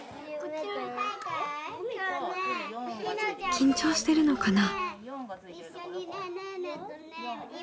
緊張してるのかな？